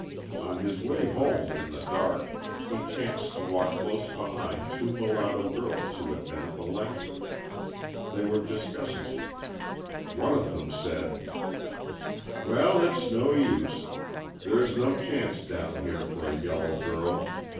On his way home in the dark, he chanced to walk close behind two mulatto girls who had been at the lecture. They were discussing it. One of them said: "Well, it's no use. There is no chance down here for a yellow girl.